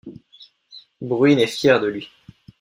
Bruine est fier de lui.